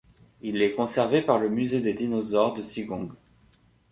Il est conservé par le Musée des dinosaures de Zigong.